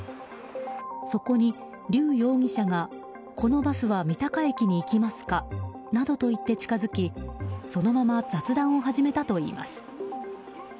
そこにリュウ容疑者がこのバスは三鷹駅に行きますかなどと言って近づき、そのまま雑談を始めたといいます。